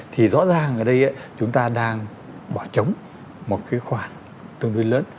thì rõ ràng ở đây chúng ta đang bỏ trống một cái khoản tương đối lớn